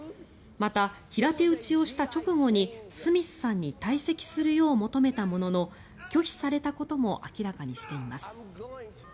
また平手打ちをした直後にスミスさんに退席するよう求めたものの拒否されたことも明らかにしています。